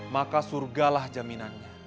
maka surgalah jaminannya